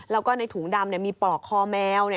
แล้วก็ในถุงดำมีปลอกคอแมว